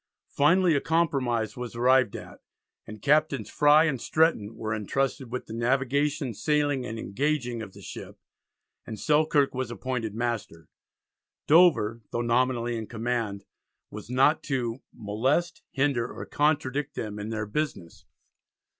Finally a compromise was arrived at, and Captains Frye and Stretton were entrusted with the "navigation, sailing, and engaging" of the ship, and Selkirk was appointed Master. Dover, though nominally in command, was not to "molest, hinder, or contradict them in their business."